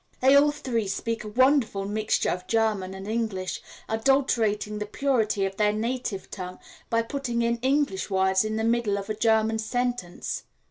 They all three speak a wonderful mixture of German and English, adulterating the purity of their native tongue by putting in English words in the middle of a German sentence.